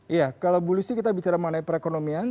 iya kalau bu lucy kita bicara mengenai perekonomian